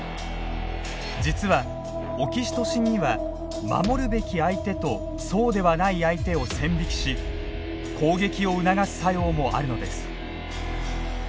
実はオキシトシンには守るべき相手とそうではない相手を線引きし攻撃を促す作用もあるのです。